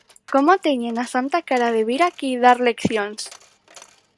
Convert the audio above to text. ¿Como teñen a santa cara de vir aquí dar leccións?